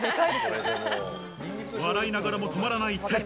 笑いながらも止まらない手。